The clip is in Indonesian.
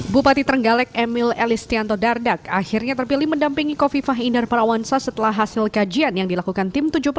bupati terenggalek emil elistianto dardak akhirnya terpilih mendampingi kofifah inder parawansa setelah hasil kajian yang dilakukan tim tujuh belas